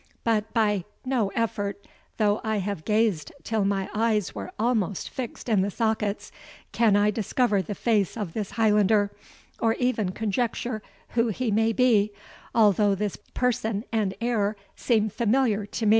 But by no effort, though I have gazed till my eyes were almost fixed in the sockets, can I discover the face of this Highlander, or even conjecture who he may be, although his person and air seem familiar to me."